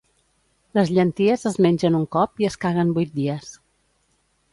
Les llenties es mengen un cop i es caguen vuit dies.